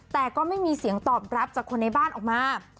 แต่ก็ไม่มีเสียงตอบรับจากคนในบ้านออกมา